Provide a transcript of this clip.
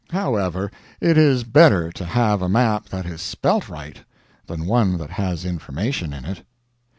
However, it is better to have a map that is spelt right than one that has information in it.